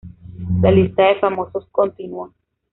La lista de famosos continuó.